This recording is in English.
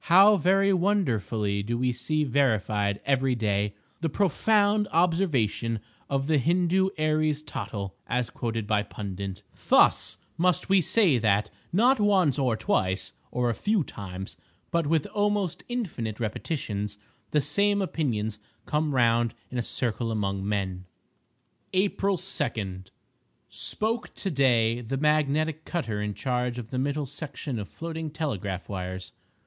How very wonderfully do we see verified every day, the profound observation of the Hindoo Aries Tottle (as quoted by Pundit)—"Thus must we say that, not once or twice, or a few times, but with almost infinite repetitions, the same opinions come round in a circle among men." April 2.—Spoke to day the magnetic cutter in charge of the middle section of floating telegraph wires.